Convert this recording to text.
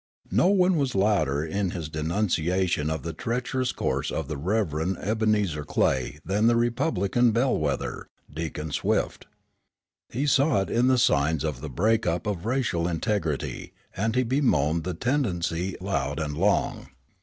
No one was louder in his denunciation of the treacherous course of the Rev. Ebenezer Clay than the Republican bellwether, Deacon Swift. He saw in it signs of the break up of racial integrity and he bemoaned the tendency loud and long.